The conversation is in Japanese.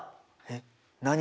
えっ何？